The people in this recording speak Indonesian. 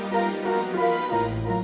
bosan mah interes benar